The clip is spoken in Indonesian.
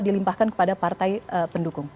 dilimpahkan kepada partai pendukung